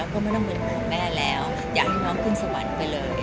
แล้วก็ไม่ต้องเหมือนพอแม่แล้วอยากให้น้องขึ้นสวรรค์ไปเลย